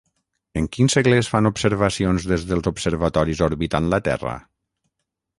En quin segle es fan observacions des dels observatoris orbitant la Terra?